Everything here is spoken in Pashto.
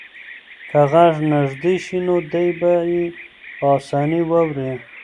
که غږ نږدې شي نو دی به یې په اسانۍ واوري.